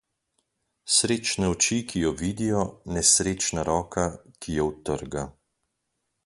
Srečne oči, ki jo vidijo, nesrečna roka, ki jo utrga.